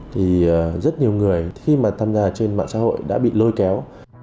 thì rất nhiều người khi mà tham gia trên mạng xã hội đã bị lôi kéo